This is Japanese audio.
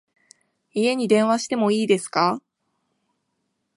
家に電話しても良いですか？